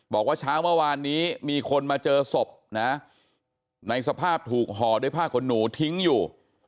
บอกว่าเช้าเมื่อวานนี้มีคนมาเจอศพนะในสภาพถูกห่อด้วยผ้าขนหนูทิ้งอยู่